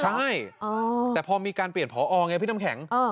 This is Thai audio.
ใช่แต่พอมีการเปลี่ยนพอไงพี่น้ำแข็ง